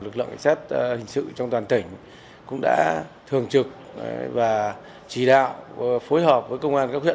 lực lượng cảnh sát hình sự trong toàn tỉnh cũng đã thường trực và chỉ đạo phối hợp với công an các huyện